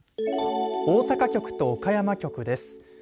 大阪局と岡山局です。